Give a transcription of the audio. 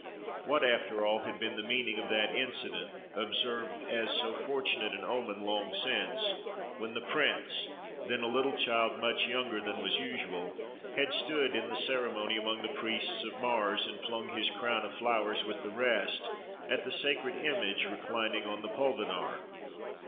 What, after all, had been the meaning of that incident, observed as so fortunate an omen long since, when the prince, then a little child much younger than was usual, had stood in ceremony among the priests of Mars and flung his crown of flowers with the rest at the sacred image reclining on the Pulvinar?